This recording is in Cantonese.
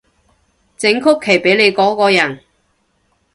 整曲奇畀你嗰個人